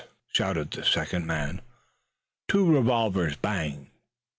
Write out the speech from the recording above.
shouted the second man. Two revolvers banged.